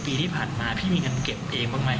ปีที่ผ่านมาพี่มีเงินเก็บเองบ้างไหม